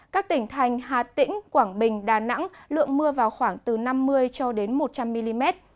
các tỉnh thành hà tĩnh quảng bình đà nẵng lượng mưa vào khoảng từ năm mươi cho đến một trăm linh mm